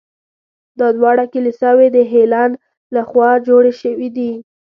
دا دواړه کلیساوې د هیلن له خوا جوړې شوي دي.